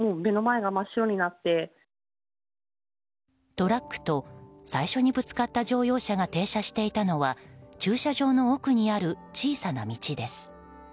トラックと最初にぶつかった乗用車が停車していたのは駐車場の奥にある小さな道です。